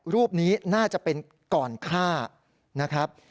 รูปนี้น่าจะเป็นก่อนฆ่านะครับ